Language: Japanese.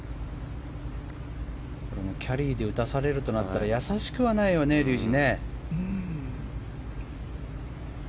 キャリーで打たされるとなったらやさしくはないよね、竜二。